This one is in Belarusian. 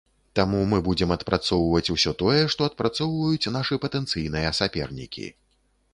Таму мы будзем адпрацоўваць усё тое, што адпрацоўваюць нашы патэнцыйныя сапернікі.